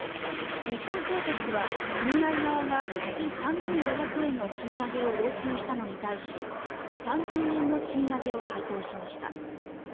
日本製鉄は組合側が月３５００円の賃上げを要求したのに対し３０００円の賃上げを回答しました。